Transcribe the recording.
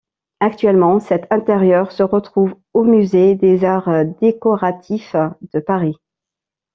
Actuellement, cet intérieur se retrouve au Musée des arts décoratifs de Paris.